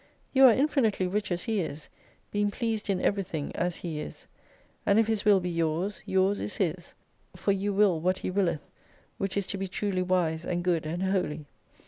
You are infinitely rich as He is : being pleased in everything as He is. And if His will be yours, yours is His. For you will what He willeth, which is to be truly wise and good and holy.